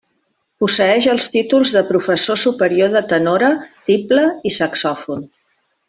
Posseeix els títols de professor superior de tenora, tible i saxòfon.